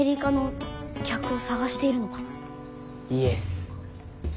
イエス。